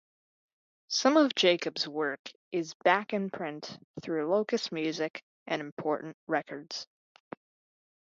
Some of Jacobs' work is back in print through Locust Music and Important Records.